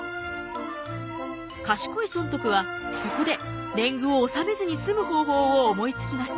賢い尊徳はここで年貢を納めずに済む方法を思いつきます。